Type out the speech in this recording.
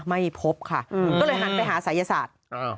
ไม่พบค่ะก็เลยหันไปหาศัยศาสตร์